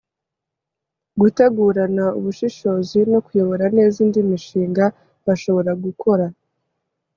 gutegurana ubushishozi no kuyobora neza indi mishinga bashobora gukora